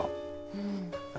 うん。